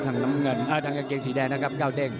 ทั้งน้ำเงินทั้งกางเกงสีแดงนะครับ